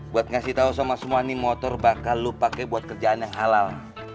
buat ngasih tau sama semua ini motor bakal lu pakai buat kerjaan yang halal